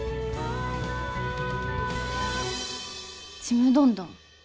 「ちむどんどん」。